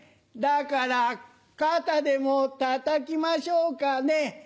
だから肩でもたたきましょうかね。